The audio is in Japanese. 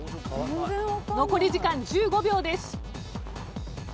残り時間１５秒です。